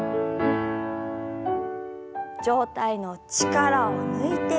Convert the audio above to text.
上体の力を抜いて前。